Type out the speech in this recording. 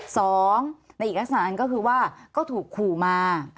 สองในอีกลักษณะนั้นก็คือว่าก็ถูกขู่มา